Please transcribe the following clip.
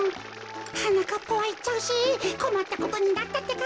はなかっぱはいっちゃうしこまったことになったってか。